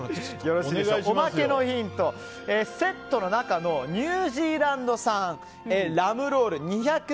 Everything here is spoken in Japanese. おまけヒント、セットの中のニュージーランド産ラムロール２００ｇ